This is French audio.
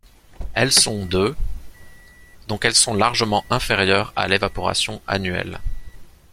Elles sont de donc elles sont largement inférieures à l'évaporation annuelle.